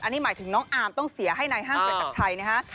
อันนี้หมายถึงน้องอาร์มต้องเสียให้ในห้างเกิดตักใช้เนี่ยฮะ